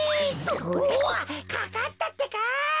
おわっかかったってか。